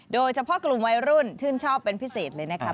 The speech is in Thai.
โดยเฉพาะกลุ่มวัยรุ่นชื่นชอบเป็นพิเศษเลยนะครับ